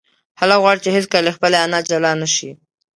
هلک غواړي چې هیڅکله له خپلې انا جلا نشي.